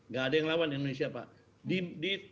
gak ada yang lawan indonesia pak